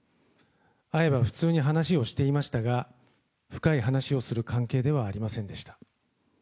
会えば普通に話をしていましたが、深い話をする関係ではありませんでした。